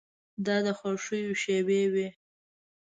دا د خوښیو شېبې وې.